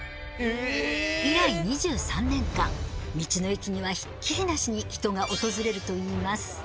以来２３年間道の駅にはひっきりなしに人が訪れるといいます。